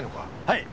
はい。